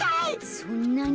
そんなに？